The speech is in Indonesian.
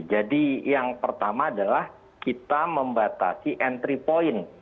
jadi yang pertama adalah kita membatasi entry point